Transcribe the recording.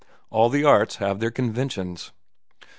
"All the arts have their conventions."